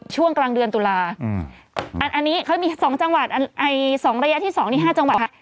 ช่วงกลางเดือนตุลาอันนี้เขามี๒ระยะที่๒นี่๕จังหวัดค่ะ